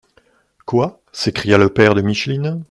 —Quoi !» s’écria le père de Micheline.